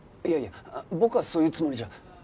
いやいや僕はそういうつもりじゃ。